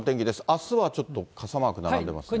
あすはちょっと傘マーク並んでますが。